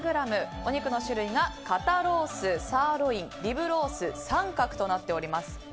お肉の種類が肩ロースサーロイン、リブロースサンカクとなっております。